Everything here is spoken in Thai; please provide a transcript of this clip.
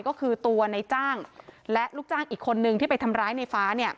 ก็คือตัวในจ้างและลูกจ้างอีกคนนึงที่ไปทำร้ายในฟ้าเนี่ย